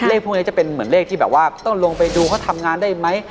เลขพวกนี้จะเหมือนเลขที่ต้องลงไปดูเขาทำงานได้มั้ย